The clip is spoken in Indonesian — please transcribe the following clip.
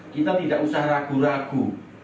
kita tidak usah ragu ragu